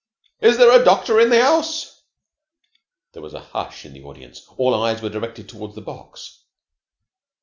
"Is there a doctor in the house?" There was a hush in the audience. All eyes were directed toward the box.